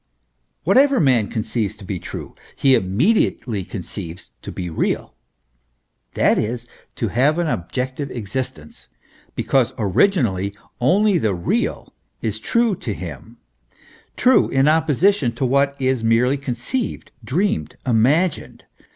Whatever man conceives to be true, he immediately conceives to be real (that is, to have an objective existence), because, originally, only the real is true to him true in opposition to what is merely conceived, dreamed, imagined.